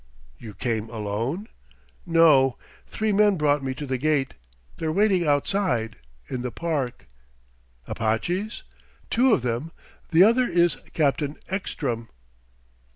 "You came alone?" "No. Three men brought me to the gate. They're waiting outside, in the park." "Apaches?" "Two of them. The other is Captain Ekstrom."